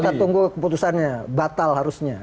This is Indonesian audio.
kita tunggu keputusannya batal harusnya